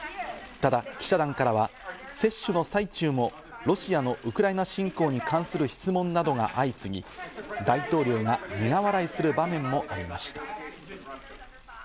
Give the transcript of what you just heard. ただ記者団からは接種の最中も、ロシアのウクライナ侵攻に関する質問などが相次ぎ、大統領が苦笑いする場面もありました。